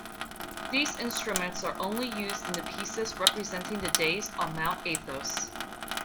These instruments are only used in the pieces representing the days on Mount Athos.